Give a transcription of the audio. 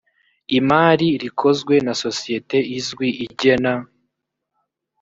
imari rikozwe na sosiyete izwi igena